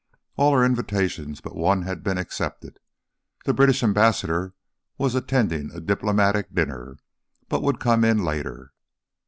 All her invitations but one had been accepted: the British Ambassador was attending a diplomatic dinner, but would come in later.